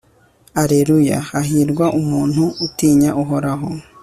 alleluya! hahirwa umuntu utinya uhoraho